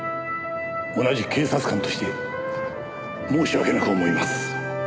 同じ警察官として申し訳なく思います。